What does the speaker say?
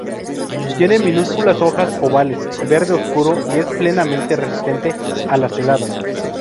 Tiene minúsculas hojas ovales verde oscuro y es plenamente resistente a las heladas.